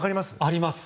あります。